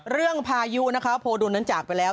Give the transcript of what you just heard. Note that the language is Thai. เรื่องพายุนะคะโพดูนนั้นจากไปแล้ว